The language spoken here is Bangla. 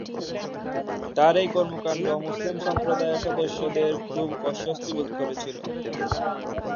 তাঁর এই কর্মকাণ্ড মুসলিম সম্প্রদায়ের সদস্যদের খুব অস্বস্তি বোধ করেছিল।